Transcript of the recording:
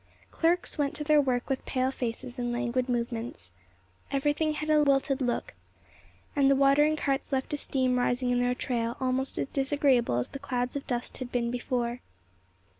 Clerks went to their work with pale faces and languid movements. Everything had a wilted look, and the watering carts left a steam rising in their trail, almost as disagreeable as the clouds of dust had been before.